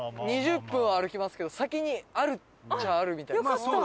２０分歩きますけど先にあるっちゃあるみたいです。